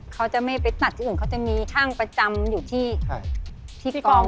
เขาจะไม่ไปตัดที่อื่นเขาจะมีช่างประจำอยู่ที่กอง